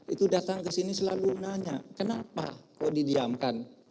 itu datang ke sini selalu nanya kenapa kok didiamkan